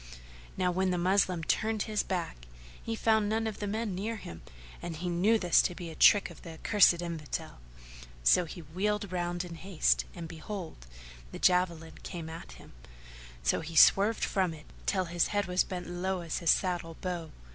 Now when the Moslem turned his back, he found none of the men near him, and he knew this to be a trick of the accursed Infidel; so he wheeled round in haste and behold, the javelin came at him, so he swerved from it, till his head was bent low as his saddle bow.